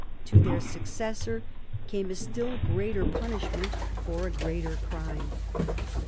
To their successor came a still greater punishment, for a greater crime.